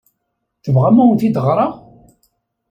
Tebɣam ad awen-t-id ɣṛeɣ?